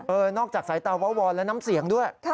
เออนอกจากสายเตาวะวอนและน้ำเสียงด้วย